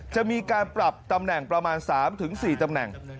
จะมีการปรับตำแหน่งประมาณ๓๔ตำแหน่ง